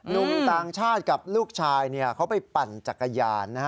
หนุ่มต่างชาติกับลูกชายเขาไปปั่นจักรยาน